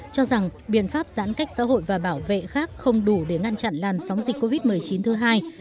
cho rằng biện pháp giãn cách xã hội và bảo vệ khác không đủ để ngăn chặn làn sóng dịch covid một mươi chín thứ hai